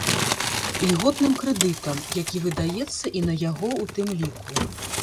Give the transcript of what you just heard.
Ільготным крэдытам, які выдаецца і на яго ў тым ліку.